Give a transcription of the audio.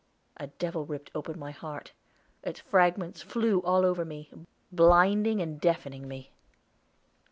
A devil ripped open my heart; its fragments flew all over me, blinding and deafening me.